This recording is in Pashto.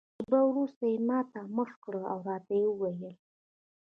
شېبه وروسته یې ما ته مخ کړ او راته ویې ویل.